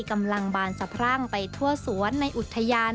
กำลังบานสับปรั่งไปทั่วสวนในอุทยาน